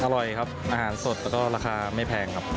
อร่อยครับอาหารสดแล้วก็ราคาไม่แพงครับ